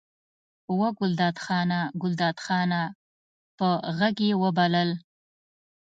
وه ګلداد خانه! ګلداد خانه! په غږ یې وبلل.